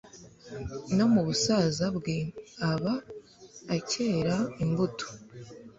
No mu busaza bwe aba akera imbuto